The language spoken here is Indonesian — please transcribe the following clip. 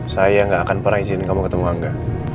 saya nggak akan pernah izin kamu ketemu angga